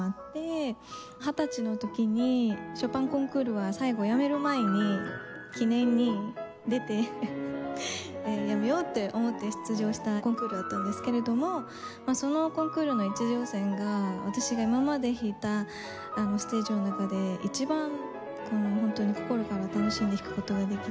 ２０歳の時にショパンコンクールは最後やめる前に記念に出てやめようと思って出場したコンクールだったんですけれどもそのコンクールの１次予選が私が今まで弾いたステージの中で一番本当に心から楽しんで弾く事ができて。